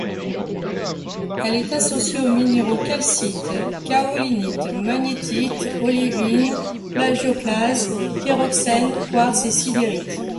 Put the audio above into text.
Elle est associée aux minéraux calcite, kaolinite, magnétite, olivine, plagioclase, pyroxènes, quartz et sidérite.